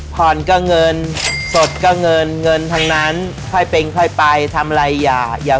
ผ่อนก็เงินสดก็เงินเงินทั้งนั้นค่อยเป็นค่อยไปทำอะไรอย่าอย่า